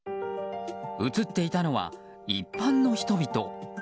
映っていたのは一般の人々。